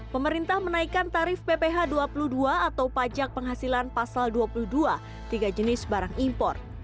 pemerintah menaikkan tarif pph dua puluh dua atau pajak penghasilan pasal dua puluh dua tiga jenis barang impor